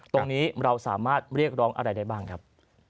ตรงนี้เราสามารถเรียกร้องอะไรได้บ้างครับ